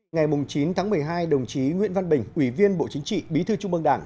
ngày chín tháng một mươi hai đồng chí nguyễn văn bình ủy viên bộ chính trị bí thư trung mương đảng